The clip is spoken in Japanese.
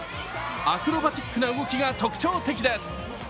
アクロバティックな動きが特徴的です。